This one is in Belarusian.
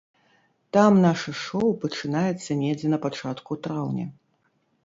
Там наша шоў пачынаецца недзе на пачатку траўня.